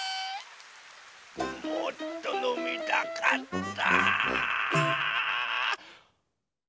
もっとのみたかった！